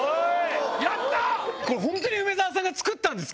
やったこれホントに梅沢さんが作ったんですか？